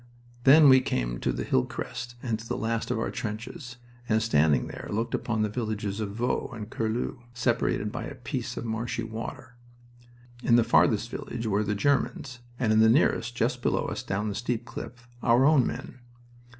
Then we came to the hill crest and to the last of our trenches, and, standing there, looked down upon the villages of Vaux and Curlu, separated by a piece of marshy water. In the farthest village were the Germans, and in the nearest, just below us down the steep cliff, our own men.